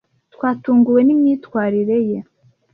Twatunguwe nimyitwarire ye.